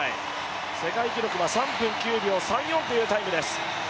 世界記録は３分９秒３４というタイムです。